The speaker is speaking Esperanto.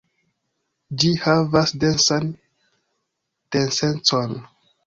Ĝi havas densan densecon.